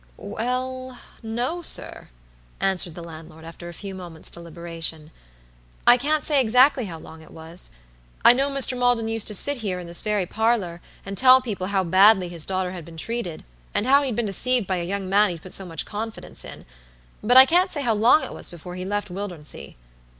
"Wellno, sir," answered the landlord, after a few moments' deliberation. "I can't say exactly how long it was. I know Mr. Maldon used to sit here in this very parlor, and tell people how badly his daughter had been treated, and how he'd been deceived by a young man he'd put so much confidence in; but I can't say how long it was before he left Wildernsea.